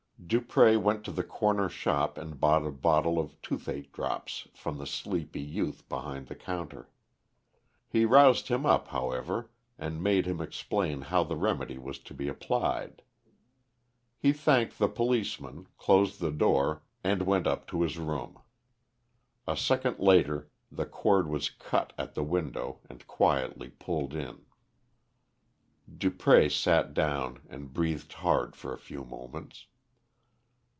Dupré went to the corner shop and bought a bottle of toothache drops from the sleepy youth behind the counter. He roused him up however, and made him explain how the remedy was to be applied. He thanked the policeman, closed the door, and went up to his room. A second later the cord was cut at the window and quietly pulled in. Dupré sat down and breathed hard for a few moments.